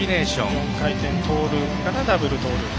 ４回転トーループからダブルトーループ。